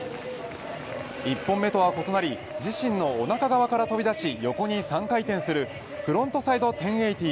１本目とは異なり自身のおなか側から跳び出し横に３回転するフロントサイド１０８０。